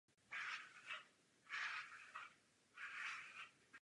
U zbývajících variant však už hrozí mírný až strmý výkonnostní pád.